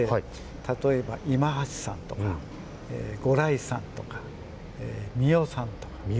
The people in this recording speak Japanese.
例えば今橋さん、五来さんとか三代さんとか。